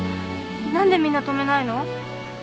何でみんな止めないの？